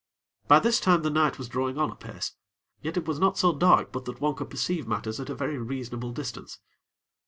By this time the night was drawing on apace; yet it was not so dark but that one could perceive matters at a very reasonable distance.